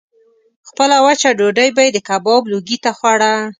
خپله وچه ډوډۍ به یې د کباب لوګي ته خوړه.